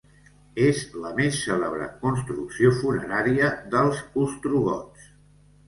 És la més cèlebre construcció funerària dels ostrogots.